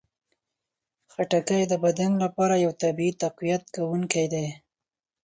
خټکی د بدن لپاره یو طبیعي تقویت کوونکی دی.